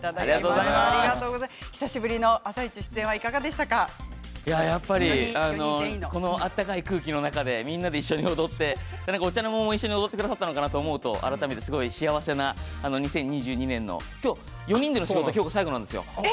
久しぶりの「あさイチ」出演やっぱりこの温かい空気の中で一緒に踊ってお茶の間も踊ってくださったのかなと思うと改めて幸せな２０２２年の今日４人での仕事最後なんですよ。